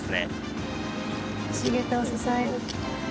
橋桁を支える。